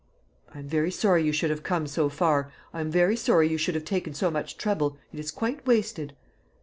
"I am very sorry you should have come so far. I am very sorry you should have taken so much trouble; it is quite wasted."